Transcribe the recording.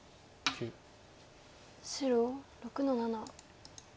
白６の七。